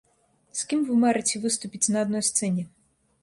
З кім вы марыце выступіць на адной сцэне?